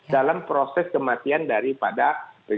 dalam proses kematian daripada ibu pece